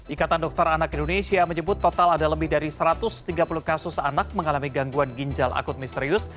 ikatan dokter anak indonesia menyebut total ada lebih dari satu ratus tiga puluh kasus anak mengalami gangguan ginjal akut misterius